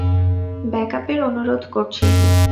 ব্যাকআপপের অনুরোধ করছি।